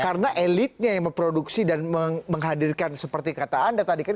karena elitnya yang memproduksi dan menghadirkan seperti kata anda tadi kan